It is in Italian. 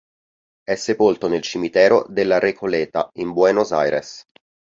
È sepolto nel cimitero della Recoleta, in Buenos Aires.